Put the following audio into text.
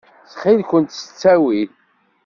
Ttxil-kent s ttawil.